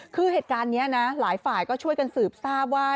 คือเหตุการณ์นี้นะหลายฝ่ายก็ช่วยกันสืบทราบว่า